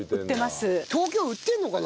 東京売ってるのかな？